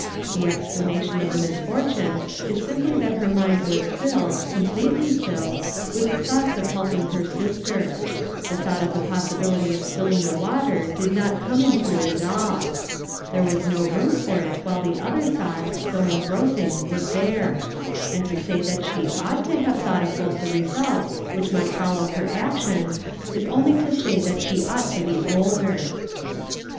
The explanation of the misfortune is simply that her mind was filled, completely filled, with the thoughts of helping her sister. The thought of the possibility of spilling the water did not come into it at all. There was no room for it while the other thought, so engrossing, was there; and to say that she ought to have thought of both the results which might follow her action, is only to say that she ought to be older.